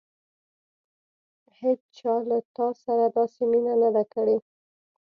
هېڅچا له تا سره داسې مینه نه ده کړې.